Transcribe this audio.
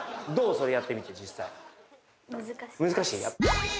それやってみて実際難しい？